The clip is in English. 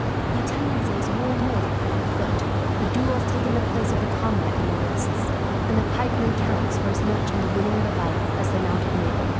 "The tendency is more and more to fight on foot. The duel has taken the place of the combat in the lists, and the pikeman counts for as much in the winning of a battle as the mounted man.